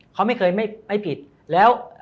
เขาไม่เคยไม่ผิดแล้ว